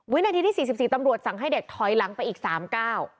วินาทีที่๔๔ตำรวจสั่งให้เด็กถอยหลังไปอีกสามก้าว